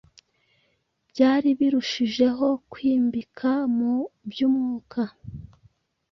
byari birushijeho kwimbika mu by’umwuka